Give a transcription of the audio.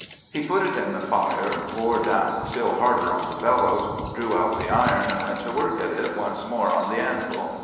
He put it in the fire, bore down still harder on the bel lows, drew out the iron, and went to work at it once more on the anvil.